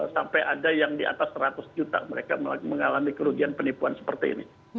sampai ada yang di atas seratus juta mereka mengalami kerugian penipuan seperti ini